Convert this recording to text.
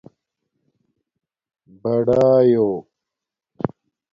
بڑایݸ